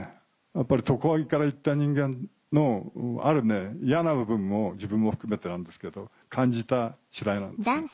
やっぱり都会から行った人間のある嫌な部分も自分も含めてなんですけど感じた次第なんですね。